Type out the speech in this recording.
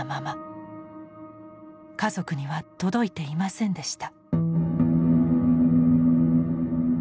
家族には届いていませんでした。